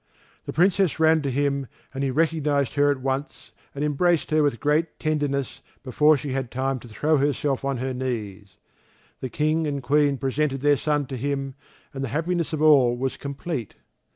The Princess ran to him, and he recognised her at once and embraced her with great tenderness before she had time to throw herself on her knees. The King and Queen presented their son to him, and the happiness of all was complete.